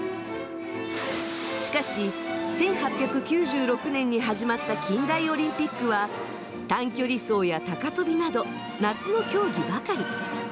しかし１８９６年に始まった近代オリンピックは短距離走や高跳びなど夏の競技ばかり。